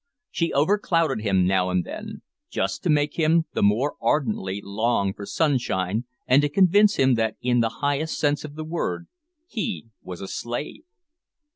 She overclouded him now and then, just to make him the more ardently long for sunshine, and to convince him that in the highest sense of the word he was a slave!